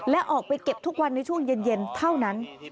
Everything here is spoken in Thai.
และออกไปเก็บทุกวันในช่วงเย็นเท่านั้น